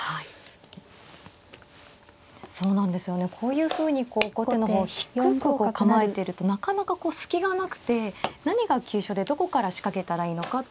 そうなんですよねこういうふうにこう後手の方低く構えてるとなかなかこう隙がなくて何が急所でどこから仕掛けたらいいのかっていうのが。